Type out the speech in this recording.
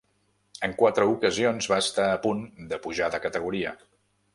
En quatre ocasions va estar a punt de pujar de categoria.